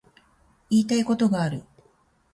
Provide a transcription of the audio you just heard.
言いたいことがある